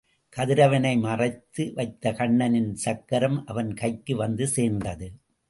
கதிரவனை மறைத்து வைத்த கண்ணனின் சக்கரம் அவன் கைக்கு வந்து சேர்ந்தது.